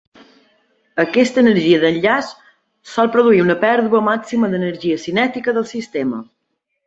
Aquesta energia d'enllaç sol produir una pèrdua màxima d'energia cinètica del sistema.